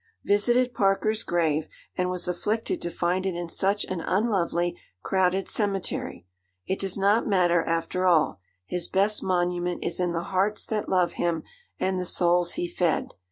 'Visited Parker's grave, and was afflicted to find it in such an unlovely, crowded cemetery. It does not matter after all: his best monument is in the hearts that love him and the souls he fed.